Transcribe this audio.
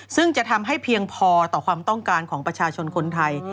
ซึ่งจะทำให้เพียงพอต่อความต้องการของประชาชนคนไทย